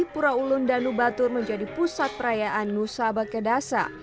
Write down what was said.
pura ulu danu batur menjadi pusat perayaan nusaba kedasa